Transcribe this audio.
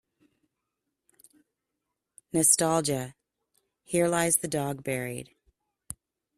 Nostalgia Here lies the dog buried.